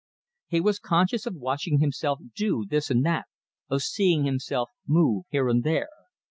He was conscious of watching himself do this and that, of seeing himself move here and there.